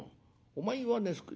お前はね